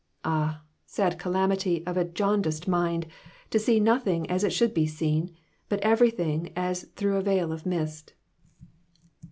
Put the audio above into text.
Ah, sad calamity of a jaundiced mind, to see nothing as it should be seen, but everything as through a veil of mist.